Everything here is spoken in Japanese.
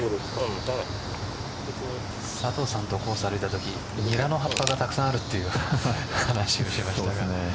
佐藤さんとコースを歩いたときニラの葉っぱがたくさんあるという話をしていましたね。